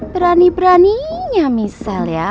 berani beraninya michelle ya